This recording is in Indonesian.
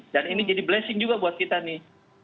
ini jadi blessing juga buat kita nih